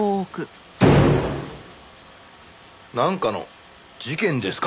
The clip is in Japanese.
なんかの事件ですか？